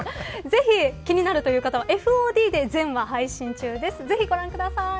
ぜひ、気になる方はＦＯＤで全話配信中です。